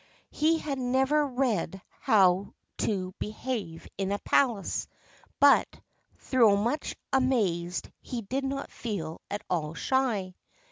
He had never read How to behave in a Palace, but, though much amazed, he did not feel at all shy.